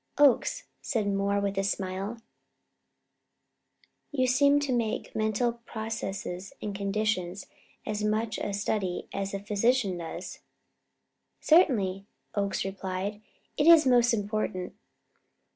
"Oakes," said Moore with a smile, "you seem to make mental processes and conditions as much of a study as the physician does." "Certainly," Oakes replied. "It is most important.